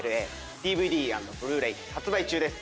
ＤＶＤ＆Ｂｌｕ−ｒａｙ発売中です。